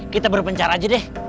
kita berpencar aja deh